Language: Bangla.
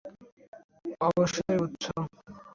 অবশ্যই, বুঝেছো।